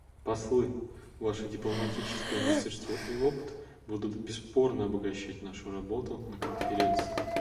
Послы, ваше дипломатическое мастерство и опыт будут бесспорно обогащать нашу работу на Конференции.